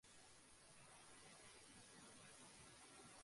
এখানে আমার ক্লাসগুলি ও রবিবারের বক্তৃতাগুলি আরম্ভ করেছি।